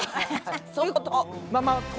そういうこと。